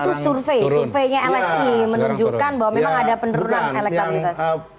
itu survei surveinya lsi menunjukkan bahwa memang ada penurunan elektabilitas